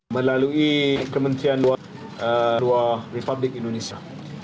melalui kementerian luar republik indonesia